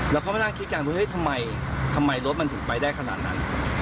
แล้วเขาไม่น่าคิดกันทำไมรถมันถูกไปได้ขนาดนั้น